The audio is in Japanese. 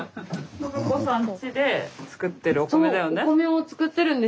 信子さんちで作ってるお米だよね。